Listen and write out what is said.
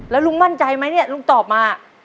แล้วลุงมั่นใจไหมเนี่ยลุงตอบมา